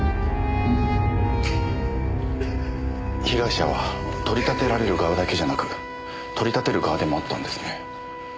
被害者は取り立てられる側だけじゃなく取り立てる側でもあったんですね。